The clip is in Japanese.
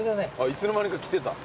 いつの間にか来てた。